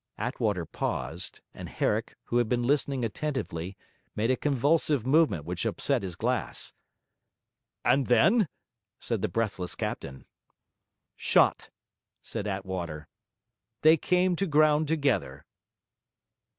Attwater paused, and Herrick, who had been listening attentively, made a convulsive movement which upset his glass. 'And then?' said the breathless captain. 'Shot,' said Attwater. 'They came to ground together.'